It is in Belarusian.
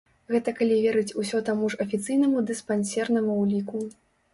Гэта калі верыць усё таму ж афіцыйнаму дыспансернаму ўліку.